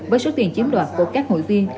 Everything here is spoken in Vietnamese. với số tiền chiếm đoạt của các hội viên